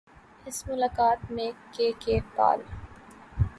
اس ملاقات میں K K پال